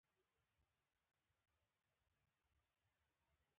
د لفټ دروازې ته مې کتل چې بنده شوې، لفټ وتړل شو.